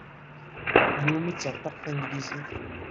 Yumi ttertaq Tanglizit.